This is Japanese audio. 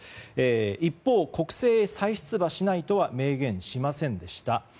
一方、国政へ再出馬しないとは明言しませんでした。